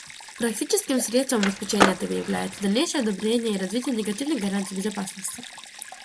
Практическим средством обеспечения этого является дальнейшее одобрение и развитие негативных гарантий безопасности.